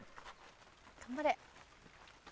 頑張れ！